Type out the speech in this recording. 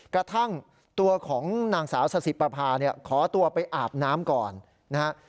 กระทั่งตัวของนางสาวสสิประพาเนี่ยขอตัวไปอาบน้ำก่อนนะฮะ